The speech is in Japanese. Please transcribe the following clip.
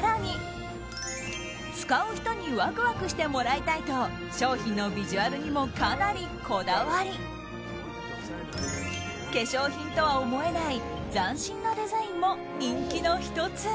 更に、使う人にワクワクしてもらいたいと商品のビジュアルにもかなりこだわり化粧品とは思えない斬新なデザインも人気の１つ。